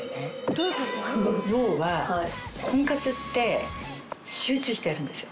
要は婚活って集中してやるんですよ。